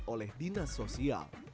oleh dinas sosial